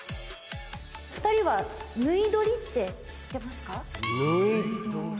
２人はぬいどりって知ってますか？